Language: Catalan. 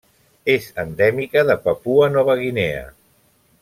És endèmica de Papua Nova Guinea.